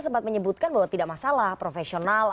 saya ingin ke mbak eson dulu